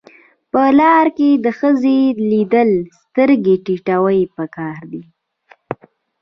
په لار کې د ښځې لیدل سترګې ټیټول پکار دي.